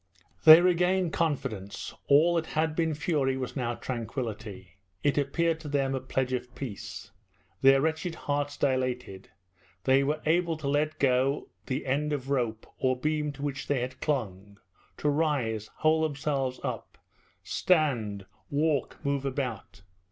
They regained confidence. All that had been fury was now tranquillity. It appeared to them a pledge of peace. Their wretched hearts dilated. They were able to let go the end of rope or beam to which they had clung, to rise, hold themselves up, stand, walk, move about.